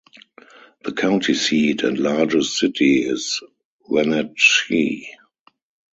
The county seat and largest city is Wenatchee.